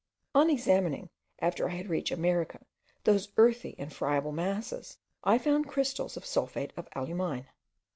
On examining, after I had reached America, those earthy and friable masses, I found crystals of sulphate of alumine.